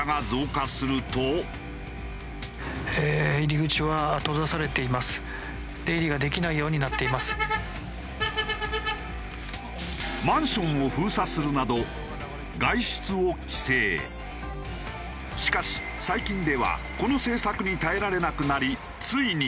一方マンションを封鎖するなどしかし最近ではこの政策に耐えられなくなりついに。